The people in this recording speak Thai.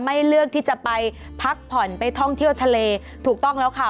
เลือกที่จะไปพักผ่อนไปท่องเที่ยวทะเลถูกต้องแล้วค่ะ